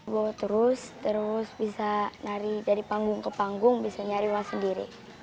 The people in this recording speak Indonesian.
bawa terus terus bisa nari dari panggung ke panggung bisa nyari uang sendiri